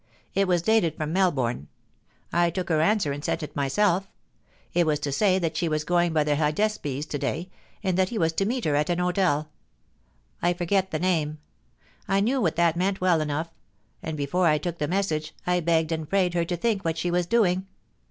It was dated from Melbourne. I took her answer and sent it myself. It was to say that she was going by the Hydaspts to day, and that he was to meet her at an hotel I forget the name. I knew what that meant well enough ; and, before I took the message, I begged and prayed her to think what she was doing.